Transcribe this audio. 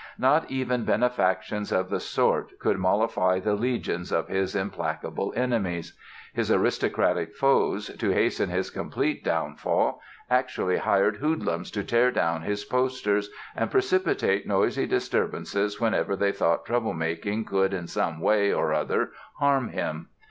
Not even benefactions of the sort could mollify the legions of his implacable enemies. His aristocratic foes, to hasten his complete downfall, actually hired hoodlums to tear down his posters and precipitate noisy disturbances whenever they thought trouble making could in some way or other harm him.